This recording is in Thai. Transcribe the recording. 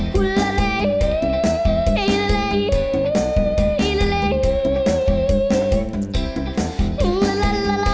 โฮลาเลลาเลโฮลาเลโฮลาเล